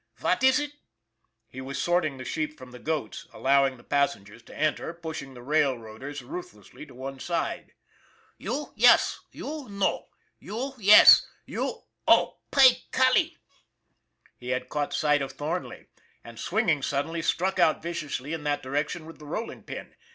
Vat iss it ?" He was sorting the sheep from the goats, allowing the passengers to enter, pushing the railroad ers ruthlessly to one side. THE REBATE 299 " You, yess ; you, no. You, yess ; you oh ! py golly!" He had caught sight of Thornley, and, swinging suddenly, struck out viciously in that direction with the rolling pin.